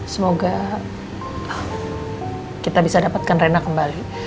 semoga kita bisa dapatkan rena kembali